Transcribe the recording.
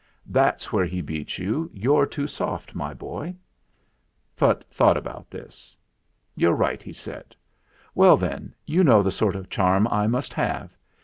That's where he beats you you're too soft, my boy." Phutt thought about this. "You're right," he said. "Well, then, you know the sort of charm I must have.